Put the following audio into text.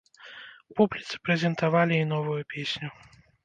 Публіцы прэзентавалі і новую песню.